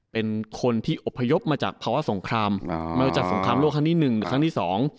เป็นคนที่อพยพมาจากภาวะสงครามมาจากสงครามโลกครั้งที่๑ครั้งที่๒